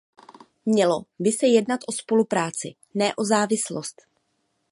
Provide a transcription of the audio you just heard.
Mělo by se jednat o spolupráci, ne o závislost.